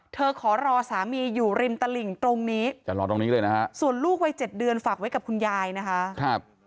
เธอขอรอสามีอยู่ริมตระหลิงตรงนี้ส่วนลูกวัย๗เดือนฝากไว้กับคุณยายนะคะ